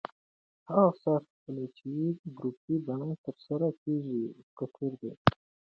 هغه ساه اخیستل چې په ګروپي بڼه ترسره کېږي، ګټور دی.